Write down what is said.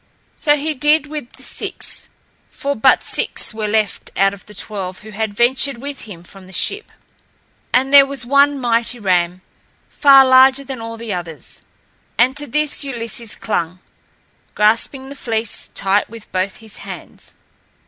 So he did with the six, for but six were left out of the twelve who had ventured with him from the ship. And there was one mighty ram, far larger than all the others, and to this Ulysses clung, grasping the fleece tight with both his hands.